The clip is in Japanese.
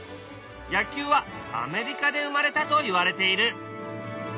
野球はアメリカで生まれたといわれている。